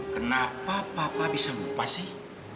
kenapa papa bisa lupa sih